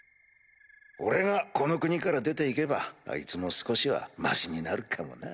俺がこの国から出て行けばあいつも少しはましになるかもな。